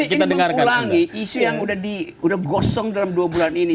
ini isu yang sudah di gosong dalam dua bulan ini